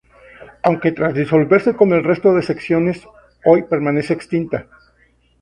Aunque tras disolverse con el resto de secciones, hoy permanece extinta.